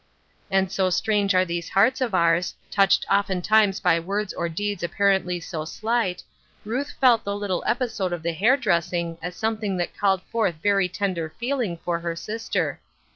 And so strange are these hearts of ours, touched oftentimes by words or deeds appar ently so slight, Ruth felt the little episode of the hair dressing as something that called forth very tender feeling for her sister.